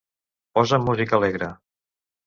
Posa'm música alegre.